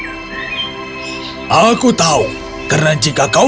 karena jika kau melakukannya orang orang akan menangkapmu